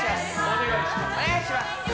お願いします。